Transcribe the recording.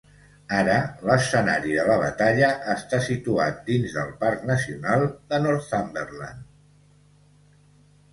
Ara l'escenari de la batalla està situat dins del Parc Nacional de Northumberland.